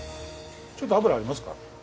ちょっと脂ありますか？